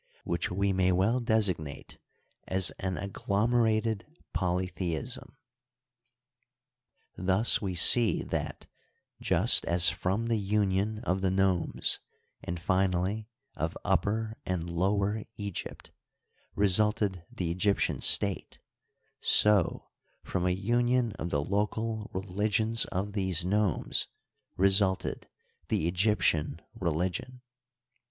25 which we may well designate as an agglomerated poh theism. Thus we see that, just as from the union of the nomes, and, finally, of Upper and Lower Egypt, resulted the Egyptian state, so from a union of the local relig ions of these nomes resulted the Egyptian religion.